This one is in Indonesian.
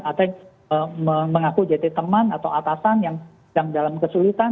atau mengaku jati teman atau atasan yang dalam kesulitan